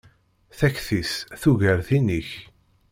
Takti-s tugar tin-ik.